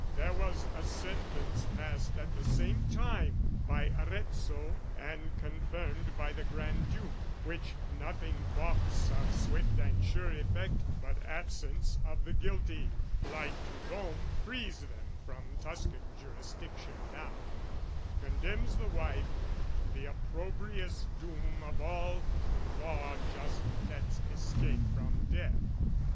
There was a sentence passed at the same time By Arezzo and confirmed by the Granduke, Which nothing baulks of swift and sure effect But absence of the guilty (flight to Rome Frees them from Tuscan jurisdiction now) Condemns the wife to the opprobrious doom Of all whom law just lets escape from death.